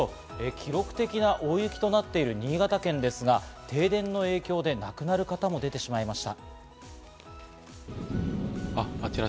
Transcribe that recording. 記録的な大雪となっている新潟県ですが、停電の影響で亡くなる方も出てしまいました。